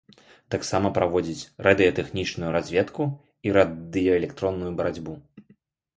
Таксама праводзіць радыётэхнічную разведку і радыёэлектронную барацьбу.